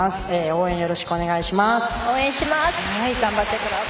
応援よろしくお願いします。